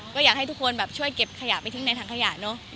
ก็อยากให้ทุกคนแบบช่วยเก็บขยะไปทิ้งในถังขยะเนอะ